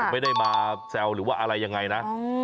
ไม่ได้มาแซวหรือว่าอะไรยังไงนะ